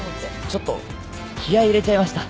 ちょっと気合入れちゃいました。